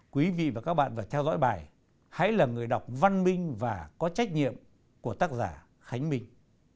quý vị và các bạn vừa theo dõi bài hãy là người đọc văn minh và có trách nhiệm của tác giả khánh minh